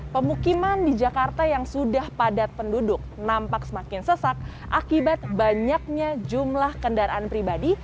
pemukiman di jakarta yang sudah padat penduduk nampak semakin sesak akibat banyaknya jumlah kendaraan pribadi